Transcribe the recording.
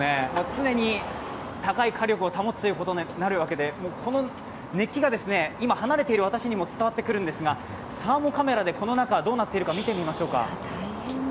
常に高い火力を保つことになるわけで、この熱気が今、離れている私にも伝わっているんですがサーモカメラでこの中どうなっているか見てみましょうか。